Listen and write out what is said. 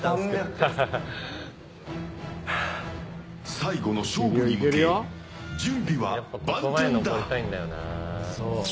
最後の勝負に向け準備は万端だ。